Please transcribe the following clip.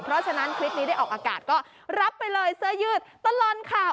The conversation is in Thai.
เพราะฉะนั้นคลิปนี้ได้ออกอากาศก็รับไปเลยเสื้อยืดตลอดข่าว